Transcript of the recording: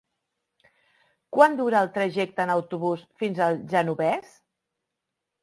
Quant dura el trajecte en autobús fins al Genovés?